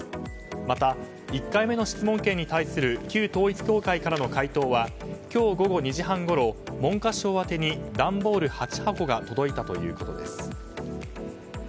また、１回目の質問権に対する旧統一教会からの回答は今日午後２時半ごろ文科省宛に段ボール８箱が届いたということです。